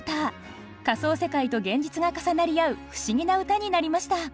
仮想世界と現実が重なり合う不思議な歌になりました。